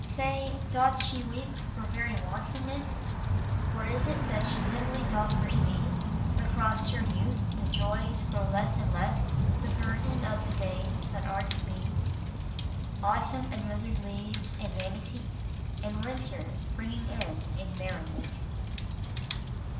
Say, doth she weep for very wantonness? Or is it that she dimly doth foresee Across her youth the joys grow less and less The burden of the days that are to be: Autumn and withered leaves and vanity, And winter bringing end in barrenness.